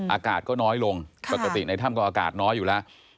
อากาศก็น้อยลงปกติในถ้ำก็อากาศน้อยอยู่แล้ว